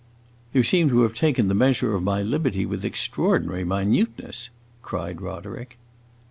"You seem to have taken the measure of my liberty with extraordinary minuteness!" cried Roderick.